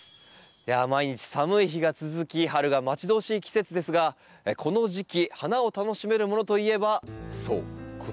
いや毎日寒い日が続き春が待ち遠しい季節ですがこの時期花を楽しめるものといえばそうこちらのウメです。